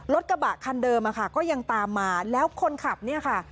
รถกระบะคันเดิมอะค่ะก็ยังตามมาแล้วคนขับเนี่ยค่ะ